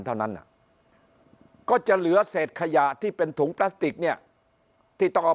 เท่านั้นก็จะเหลือเศษขยะที่เป็นถุงพลาสติกเนี่ยที่ต้องเอา